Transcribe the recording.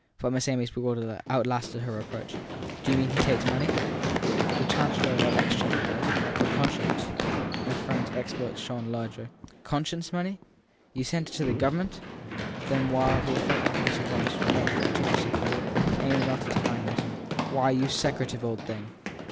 But Miss Amy s bewilderment outlasted her reproach. Do you mean he takes money ? The Chancellor of the Exchequer does for " conscience. " 274 THE THIRD PERSON Her friend s exploit shone larger. Conscience money ? You sent it to Government ? Then while, as the effect of her surprise, her mate looked too much a fool, Amy melted to kindness. Why, you secretive old thing